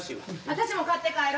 私も買って帰ろ。